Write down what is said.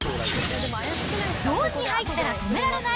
ゾーンに入ったら止められない！